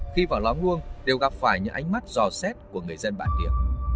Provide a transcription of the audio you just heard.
khi vào lóng luông đều gặp phải những ánh mắt dò xét của người dân bản địa